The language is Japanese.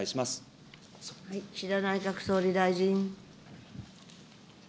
岸田内閣総理大臣。